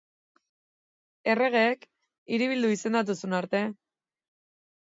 Erregeak hiribildu izendatu zuen arte.